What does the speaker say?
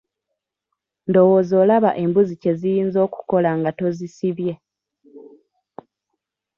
Ndowooza olaba embuzi kye ziyinza okukola nga tozisibye.